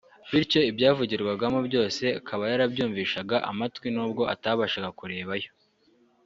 bityo ibyazivugirwagamo byose akaba yarabyumvishaga amatwi n’ubwo atabashaga kureba yo